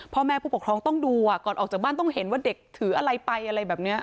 พ่อแม่ผู้ปกครองต้องดูก่อนออกจากบ้านต้องเห็นว่าเด็กถืออะไรไปอะไรแบบนี้